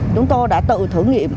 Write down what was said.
chúng tôi đã tự thử nghiệm